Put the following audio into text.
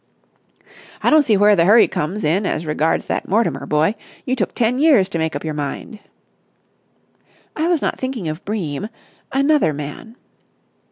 "I don't see where the hurry comes in as regards that Mortimer boy. You took ten years to make up your mind." "I was not thinking of Bream. Another man."